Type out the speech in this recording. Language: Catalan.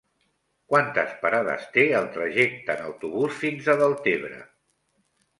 Quantes parades té el trajecte en autobús fins a Deltebre?